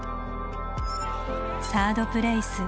「サード・プレイス」。